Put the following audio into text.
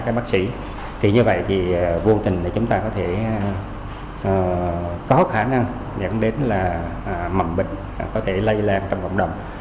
các bác sĩ thì như vậy thì vô tình là chúng ta có thể có khả năng dẫn đến là mầm bệnh có thể lây lan trong cộng đồng